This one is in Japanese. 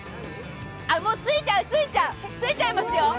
もう着いちゃう、着いちゃいますよ。